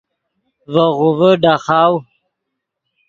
ڤے غوڤے ڈاخاؤ